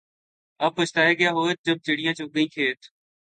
اب بچھتائے کیا ہوت جب چڑیا چگ گئی کھیت